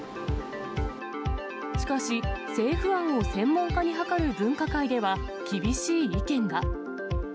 しかし、政府案を専門家に諮る分科会では、厳しい意見が。